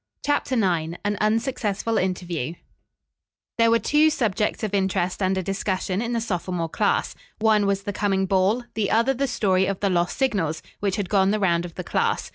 CHAPTER IX AN UNSUCCESSFUL INTERVIEW There were two subjects of interest under discussion in the sophomore class. One was the coming ball, the other the story of the lost signals, which had gone the round of the class.